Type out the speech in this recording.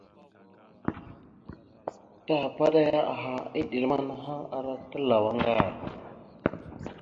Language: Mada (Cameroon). Tahəpaɗaya aha, eɗel manaha ara talaw aŋgar.